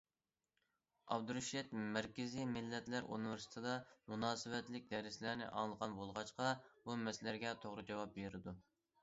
ئابدۇرېشىت مەركىزىي مىللەتلەر ئۇنىۋېرسىتېتىدا مۇناسىۋەتلىك دەرسلەرنى ئاڭلىغان بولغاچقا، بۇ مەسىلىلەرگە توغرا جاۋاب بېرىدۇ.